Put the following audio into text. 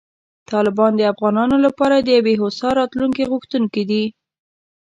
طالبان د افغانانو لپاره د یوې هوسا راتلونکې غوښتونکي دي.